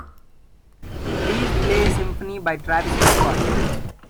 Please play symphony by Travis Mccoy